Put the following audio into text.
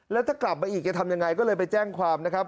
แล้วถ้ากลับมาอีกจะทำยังไงก็เลยไปแจ้งความนะครับ